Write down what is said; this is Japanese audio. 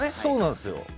そうなんですよ。